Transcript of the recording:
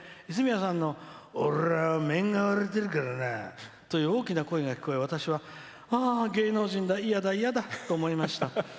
泉谷さんの「俺は面が割れてるからな」と大きな声が聞こえ、私はああ、芸能人だ嫌だ嫌だと思いました。